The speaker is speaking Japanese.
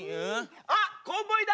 「あっコンボイだ！」。